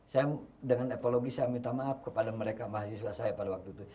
saya dengan epologi saya minta maaf kepada mereka mahasiswa saya pada waktu itu